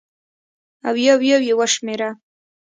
او یو یو یې وشمېره